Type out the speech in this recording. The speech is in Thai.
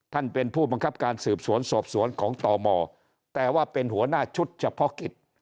ท่านเป็นผู้บังคับการสืบสวนสอบสวนของตมแต่ว่าเป็นหัวหน้าชุดเฉพาะกิจ